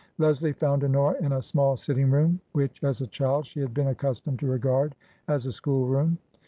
Leslie found Honora in a small sitting room, which, as a child, she had been accustomed to regard as a school room.